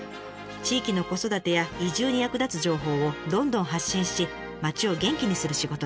地域の子育てや移住に役立つ情報をどんどん発信し町を元気にする仕事です。